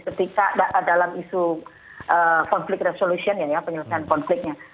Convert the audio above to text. ketika dalam isu konflik resolusinya penyelesaian konfliknya